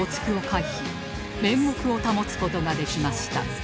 面目を保つ事ができました